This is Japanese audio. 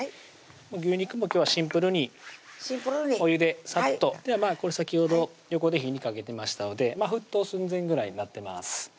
牛肉も今日はシンプルにお湯でさっと先ほど横で火にかけてましたので沸騰寸前ぐらいになってます